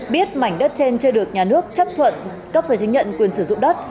biết mảnh đất trên chưa được nhà nước chấp thuận cấp giấy chứng nhận quyền sử dụng đất